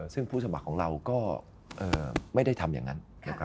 ซึ่งผู้สมัครของเราก็ไม่ได้ทำอย่างนั้น